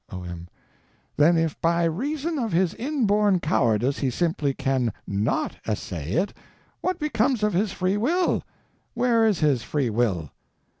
O.M. Then if by reason of his inborn cowardice he simply can _not _essay it, what becomes of his Free Will? Where is his Free Will?